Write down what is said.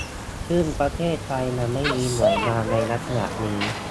ซึ่งประเทศไทยยังไม่มีหน่วยงานในลักษณะนี้